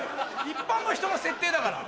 一般の人の設定だから。